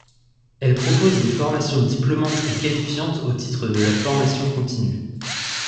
Elle propose des formations diplômantes et qualifiantes au titre de la formation continue.